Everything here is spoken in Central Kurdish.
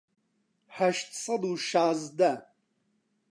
هەشت سەد و شازدە